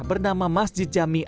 bernama masjid jami'at